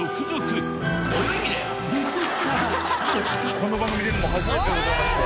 この番組出るの初めてでございまして。